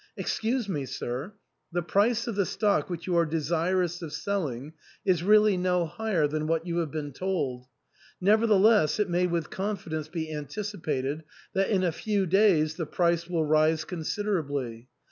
" Excuse me, sir ; the price of the stock which you are desirous of selling is really no higher than what you have been told ; nevertheless, it may with confidence be antici pated that in a few days the price will rise consider ably.